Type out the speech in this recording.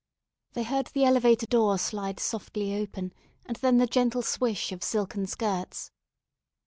They heard the elevator door slide softly open, and then the gentle swish of silken skirts.